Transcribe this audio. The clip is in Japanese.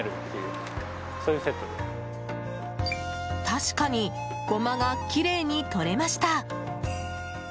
確かにゴマがきれいに取れました。